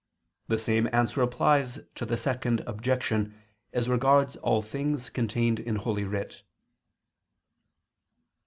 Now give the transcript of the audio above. The same answer applies to the Second Objection, as regards all things contained in Holy Writ.